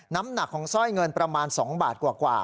น้ำหนักของสร้อยเงินประมาณ๒บาทกว่า